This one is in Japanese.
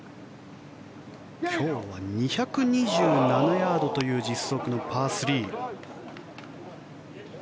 今日は２２７ヤードという実測のパー３。